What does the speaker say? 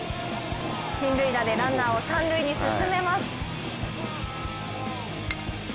進塁打でランナーを三塁に進めます。